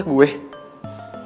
tau kena angin apa